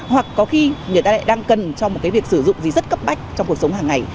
hoặc có khi người ta lại đang cần cho một cái việc sử dụng gì rất cấp bách trong cuộc sống hàng ngày